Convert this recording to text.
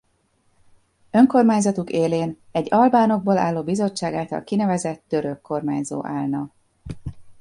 Önkormányzatuk élén egy albánokból álló bizottság által kinevezett török kormányzó állna.